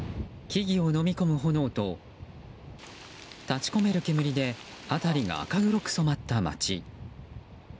木々をのみ込む炎と立ち込める煙で辺りが赤黒く染まった町。